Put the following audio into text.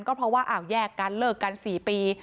ก็เพราะว่าแยกกันเลิกกัน๔ปี